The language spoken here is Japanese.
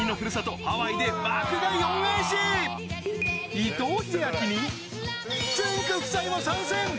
伊藤英明につんく♂夫妻も参戦！